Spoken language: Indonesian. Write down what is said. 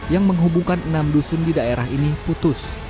yang menghubungkan enam dusun di daerah ini putus